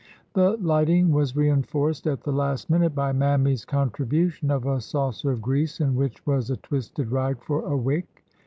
The lighting was reinforced at the last minute by Mammy's contribution of a saucer of grease in which was a twisted rag for a wick.